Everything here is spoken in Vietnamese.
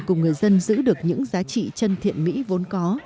cùng người dân giữ được những giá trị chân thiện mỹ vốn có